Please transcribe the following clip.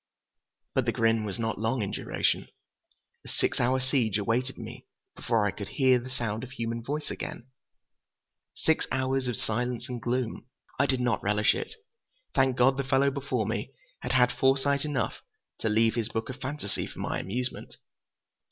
But the grin was not long in duration. A six hour siege awaited me before I could hear the sound of human voice again—six hours of silence and gloom. I did not relish it. Thank God the fellow before me had had foresight enough to leave his book of fantasy for my amusement!